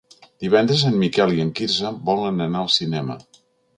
Divendres en Miquel i en Quirze volen anar al cinema.